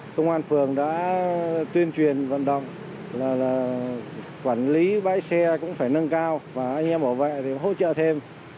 công an phường đã tuyên truyền vận động là quản lý bãi xe cũng phải nâng cao và anh em bảo vệ thì hỗ trợ thêm